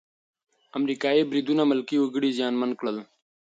امریکايي بریدونه ملکي وګړي زیانمن کړل.